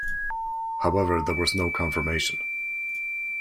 However, there was no confirmation.